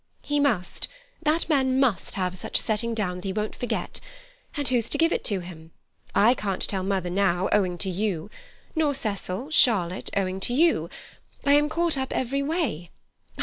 "He must—that man must have such a setting down that he won't forget. And who's to give it him? I can't tell mother now—owing to you. Nor Cecil, Charlotte, owing to you. I am caught up every way.